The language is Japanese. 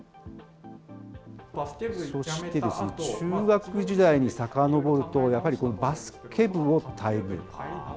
そして、中学時代にさかのぼると、やはりバスケ部を退部。